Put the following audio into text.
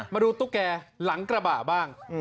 มาดูตุ๊กแกร์หลังกระบาบบ้าง